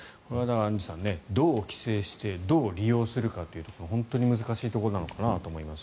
アンジュさんどう規制してどう利用するか本当に難しいところなのかなと思います。